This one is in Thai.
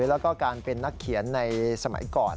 แล้วก็การเป็นนักเขียนในสมัยก่อน